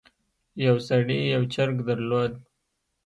یو سړي یو چرګ درلود.